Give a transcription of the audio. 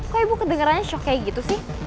kok ibu kedengerannya shock kayak gitu